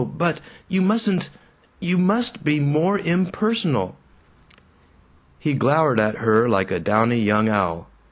But you mustn't You must be more impersonal!" He glowered at her like a downy young owl.